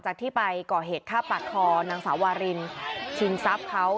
จากที่ไปก่อเหตุฆ่าป่าคมทองนางสาวารินชิงซับเขา